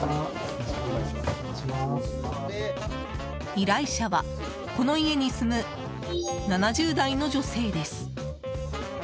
依頼者はこの家に住む７０代の女性です。